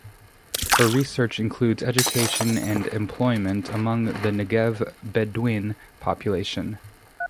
Her research includes education and employment among the Negev Bedouin population.